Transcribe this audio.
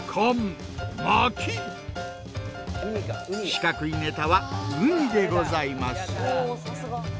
四角いネタは「ウニ」でございます。